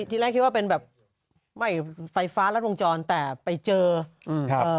ที่แรกคิดว่าเป็นแบบไม่ไฟฟ้ารัดวงจรแต่ไปเจออืมครับเอ่อ